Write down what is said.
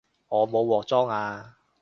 我冇鑊裝吖